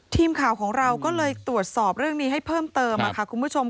ทีมข่าวของเราก็เลยตรวจสอบเรื่องนี้ให้เพิ่มเติมค่ะคุณผู้ชม